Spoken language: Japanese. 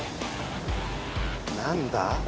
何だ？